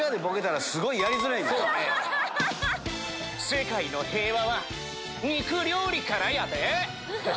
世界の平和は肉料理からやで！